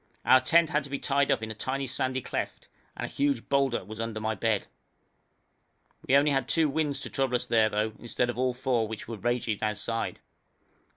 Our tent had to be tied up in a tiny sandy cleft, and a huge boulder was under my bed. We had only two winds to trouble us there, though, instead of all four, which were raging outside.